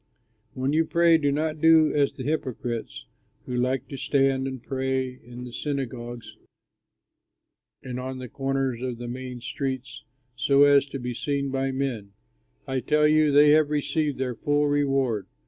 "When you pray, do not do as the hypocrites who like to stand and pray in the synagogues and on the corners of the main streets so as to be seen by men. I tell you, they have received their full reward!